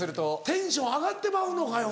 テンション上がってまうのか横川。